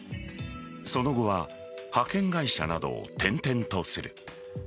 その後は派遣会社などを転々とする。